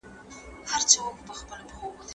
که یې عقل او قوت وي د زمریانو